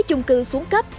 chung cư xuống cấp